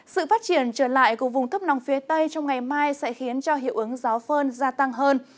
sự phát triển trở lại của vùng thấp nóng phía tây trong ngày mai sẽ khiến cho hiệu ứng gió phơn gia tăng hơn